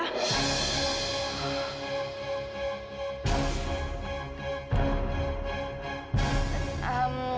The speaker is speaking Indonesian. nah politek rb ya